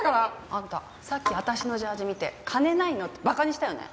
あんたさっき私のジャージー見て「金ないの？」ってバカにしたよね？